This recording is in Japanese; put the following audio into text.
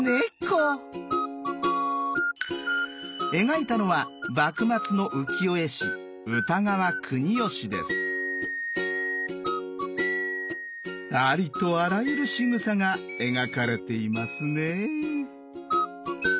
描いたのはありとあらゆるしぐさが描かれていますね。